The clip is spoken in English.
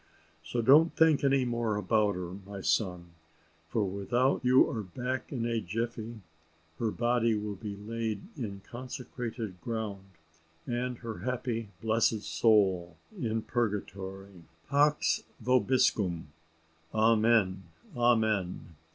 So don't think any more about her, my son, for without you are back in a jiffy, her body will be laid in consecrated ground, and her happy, blessed soul in purgatory. Pax vobiscum. Amen! Amen!